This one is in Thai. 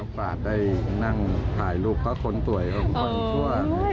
เดี๋ยวป่าได้นั่งถ่ายลูกก็คนสวยคนชั่ว